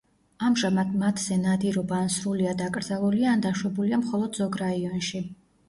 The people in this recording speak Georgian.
ამჟამად მათზე ნადირობა ან სრულიად აკრძალულია, ან დაშვებულია მხოლოდ ზოგ რაიონში.